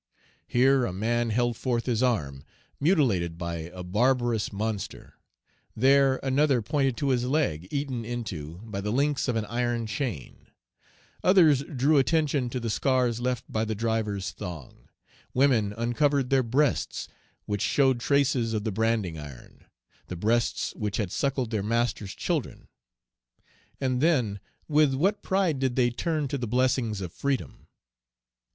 Here a man held forth his arm, mutilated by a barbarous monster; there another pointed to his leg, eaten into by the links of an iron chain; others drew attention to the scars left by the driver's thong; women uncovered their breasts, which showed Page 246 traces of the branding iron, the breasts which had suckled their masters' children. And then, with what pride did they turn to the blessings of freedom?